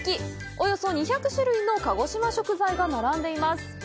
およそ２００種類の鹿児島食材が並んでいます。